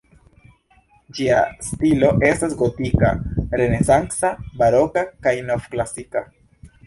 Ĝia stilo estas gotika, renesanca, baroka kaj novklasika.